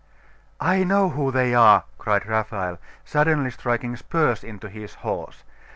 'I know who they are!' cried Raphael, suddenly striking spurs into his horse.